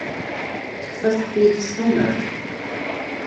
Tekfa teḥkayt s tumert.